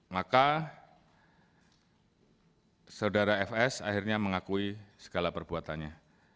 maka saudara fs akhirnya mengakui segala perbuatannya